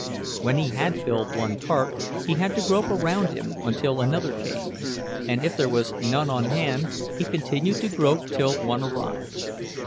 When he had filled one cart he had to grope around him until another came, and if there was none on hand he continued to grope till one arrived.